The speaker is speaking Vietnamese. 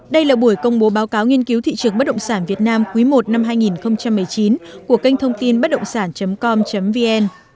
đây là buổi công bố báo cáo nghiên cứu thị trường bất động sản việt nam quý i năm hai nghìn một mươi chín của kênh thông tin bất động sản com vn